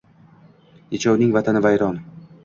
Nechovning vatani vayron.